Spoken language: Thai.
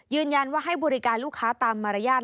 ยืนยันว่าให้บริการลูกค้าตามมารยาท